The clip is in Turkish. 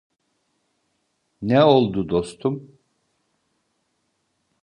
Ne oldu dostum?